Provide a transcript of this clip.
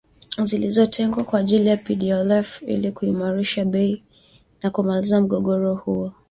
Zilizotengwa kwa ajili ya PDLF ili kuimarisha bei na kumaliza mgogoro huo